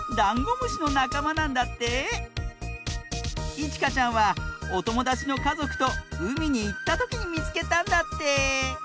いちかちゃんはおともだちのかぞくとうみにいったときにみつけたんだって！